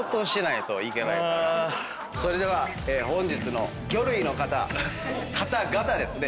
それでは本日の魚類の方方々ですね。